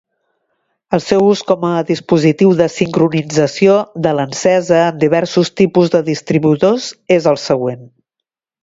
El seu ús com a dispositiu de sincronització de l'encesa en diversos tipus de distribuïdors és el següent.